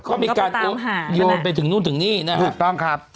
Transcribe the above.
ก็มีการโยนไปถึงนู่นถึงนี่นะฮะถูกต้องครับ